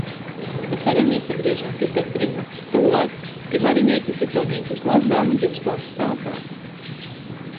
Pa ceļam īsagrīžam pi Petreņu, tūlaik — pi Marineitis i Toneitis Lazdānu divstuovu sātā.